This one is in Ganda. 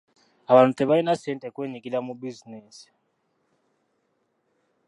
Abantu tebalina ssente kwenyigira mu bizinensi.